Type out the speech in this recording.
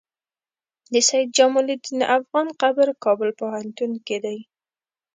د سيد جمال الدين افغان قبر کابل پوهنتون کی دی